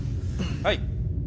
はい。